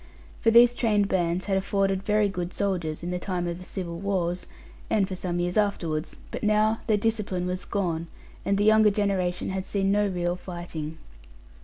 For these trained bands had afforded very good soldiers, in the time of the civil wars, and for some years afterwards; but now their discipline was gone; and the younger generation had seen no real fighting.